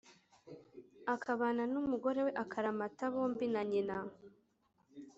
akabana n’umugore we akaramata bombi na nyina